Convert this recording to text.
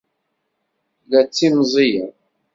La ttimẓiyeɣ!